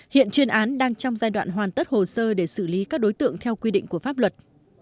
hiện chuyên án đang trong giai đoạn hoàn tất hồ sơ để xử lý các đối tượng theo quy định của pháp luật